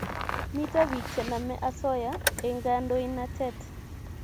Mito piik che name asoya eng' kandoinatet